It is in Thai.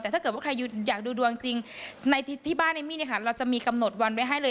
แต่ถ้าเกิดว่าใครอยากดูดวงจริงในที่บ้านเอมมี่เราจะมีกำหนดวันไว้ให้เลย